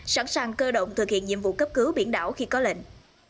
sẵn sàng cơ động thực hiện nhiệm vụ cấp cứu biển đảo khi có lệnh